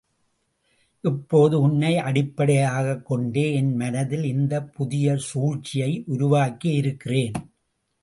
இப்போது உன்னை அடிப்படையாகக் கொண்டே என் மனத்தில் இந்தப் புதிய சூழ்ச்சியை உருவாக்கியிருக்கிறேன்.